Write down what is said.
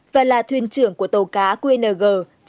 và là thuyền trưởng của tàu cá qng chín mươi nghìn bốn trăm bảy mươi chín